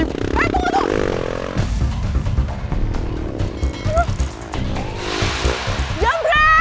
tidak ada yang bisa dipercaya